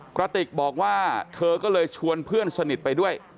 กระติกบอกว่าเธอก็เลยชวนเพื่อนสนิทไปด้วย